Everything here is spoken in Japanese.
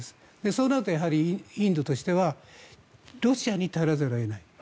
そうなるとインドとしてはロシアに頼らざるを得ない。